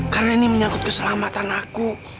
karena ini menyangkut keselamatan aku